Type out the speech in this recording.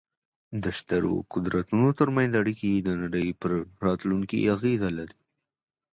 د سترو قدرتونو ترمنځ اړیکې د نړۍ پر راتلونکې اغېز لري.